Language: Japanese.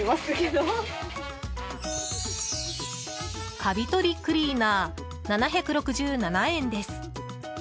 カビ取りクリーナー７６７円です。